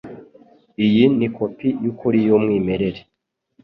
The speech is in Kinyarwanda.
Iyi ni kopi yukuri yumwimerere.